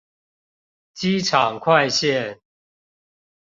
機場快線